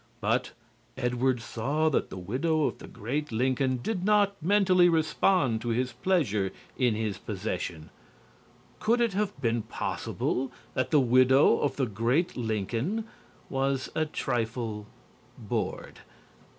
But "Edward saw that the widow of the great Lincoln did not mentally respond to his pleasure in his possession." Could it have been possible that the widow of the great Lincoln was a trifle bored?